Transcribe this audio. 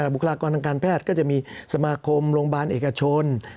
บุคลากรทางการแพทย์ก็จะมีสมาคมโรงพยาบาลเอกชน